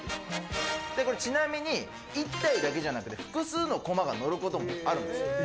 ちなみに１体だけじゃなくて複数のコマが乗ることもあるんですよ。